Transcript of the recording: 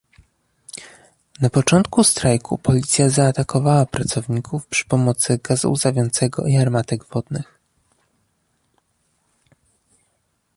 Na początku strajku policja zaatakowała pracowników przy pomocy gazu łzawiącego i armatek wodnych